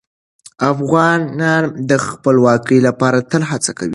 افغانان د خپلواکۍ لپاره تل هڅه کوله.